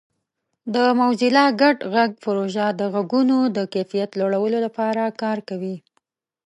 د موزیلا ګډ غږ پروژه د غږونو د کیفیت لوړولو لپاره کار کوي.